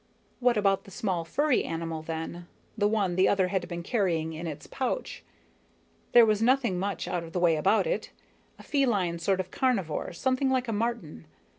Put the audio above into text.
What about the small, furry, animal then; the one the other had been carrying in its pouch? There was nothing much out of the way about it a feline sort of carnivore, something like a marten.